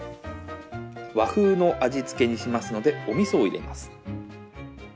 和風の味付けにしますのでおみそを入れます。